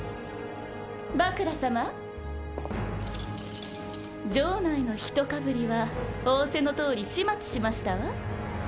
バクラ様城内のヒトかぶりは仰せのとおり始末しましたわ。